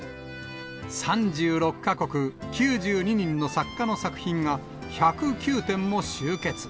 ３６か国９２人の作家の作品が、１０９点も集結。